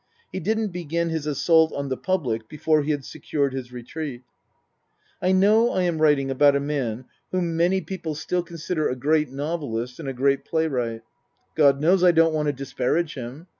He didn't begin his assault on the public before he had secured his retreat. I know I am writing about a man whom many people 34 Book I : My Book 35 still consider a great novelist and a great playwright. God knows I don't want to disparage him.